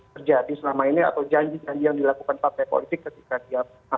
terjadi selama ini atau janji janji yang dilakukan partai politik ketika dia